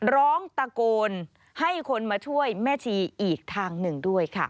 ร้องตะโกนให้คนมาช่วยแม่ชีอีกทางหนึ่งด้วยค่ะ